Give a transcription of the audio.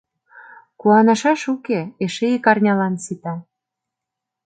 Куанышаш уке — эше ик арнялан сита.